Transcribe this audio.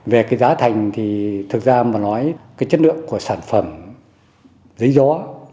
về giá thành thì thực ra mà nói chất lượng của sản phẩm giấy gió